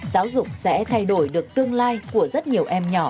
giáo dục sẽ thay đổi được tương lai của rất nhiều em nhỏ